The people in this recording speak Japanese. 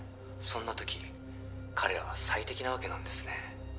そんな時彼らは最適なわけなんですね